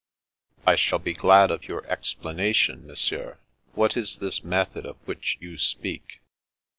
" I shall be glad of your explanation. Monsieur. What is this method of which you speak?